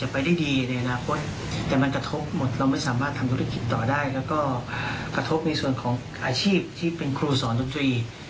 ประทบเป็นส่วนของอาชีพที่เป็นครูสอนดนตรี